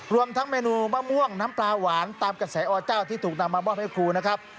รวมทั้งเมนูมะม่วงน้ำปลาหวานตามกระแสอเจ้าที่ถูกนำมามอบให้ครูนะครับ